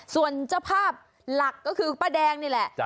ส่วนเจ้าภาพหลักก็คือป้าแดงนี่แหละ